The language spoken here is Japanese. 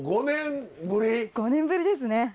５年ぶりですね。